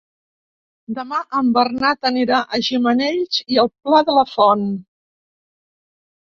Demà en Bernat anirà a Gimenells i el Pla de la Font.